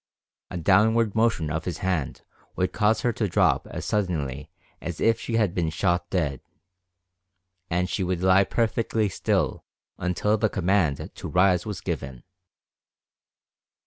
A downward motion of his hand would cause her to drop as suddenly as if she had been shot dead, and she would lie perfectly still until the command to rise was given.